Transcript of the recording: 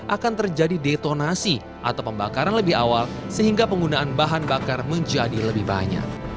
akan terjadi detonasi atau pembakaran lebih awal sehingga penggunaan bahan bakar menjadi lebih banyak